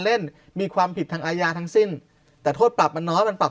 เล่นมีความผิดทางอาญาทั้งสิ้นแต่โทษปรับมันน้อยมันปรับ